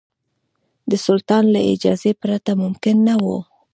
د سلطان له اجازې پرته ممکن نه وو.